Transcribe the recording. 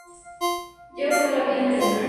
Lleva toda la vida en el escenario.